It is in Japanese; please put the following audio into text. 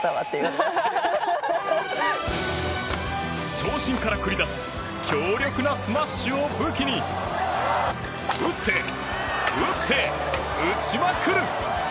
長身から繰り出す強力なスマッシュを武器に打って打って打ちまくる！